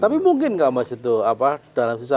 tapi mungkin gak mas itu dalam sisa